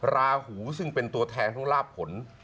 ราหูซึ่งเป็นตัวแทนทั้งลาบผล